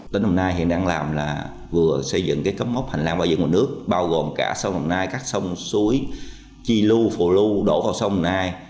tỉnh đồng nai hiện đang làm là vừa xây dựng cấp mốc hành lang bảo dựng nguồn nước bao gồm cả sông đồng nai các sông suối chi lưu phổ lưu đổ vào sông đồng nai